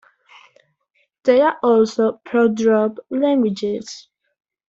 They are also pro-drop languages.